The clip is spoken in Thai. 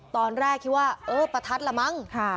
ตอนแรกคิดว่าเออประทัดละมั้ง